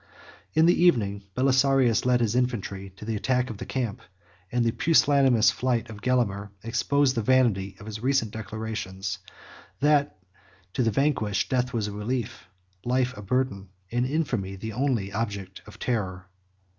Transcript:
In the evening Belisarius led his infantry to the attack of the camp; and the pusillanimous flight of Gelimer exposed the vanity of his recent declarations, that to the vanquished, death was a relief, life a burden, and infamy the only object of terror.